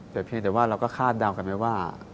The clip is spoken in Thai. แต่เพียงแต่ว่าเราก็คาดเดากันไว้ว่า